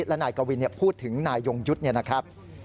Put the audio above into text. และนายกวินพูดถึงนายยงยุฒินะครับ